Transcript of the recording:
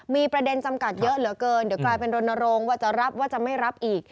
มีประเด็นจำกัดเยอะเหลือเกินเดี๋ยวกลายเป็นรณรงค์ว่าจะรับว่าจะไม่รับอีก